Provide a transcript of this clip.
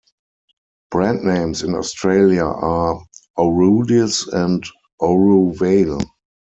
Brand names in Australia are Orudis and Oruvail.